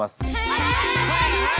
はい！